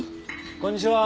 こんにちは。